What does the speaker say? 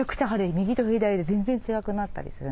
右と左で全然違くなったりするんですね。